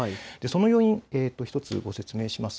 その要因、１つご説明します。